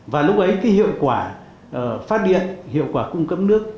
và lúc ấy cái hiệu quả phát điện hiệu quả cung cấp nước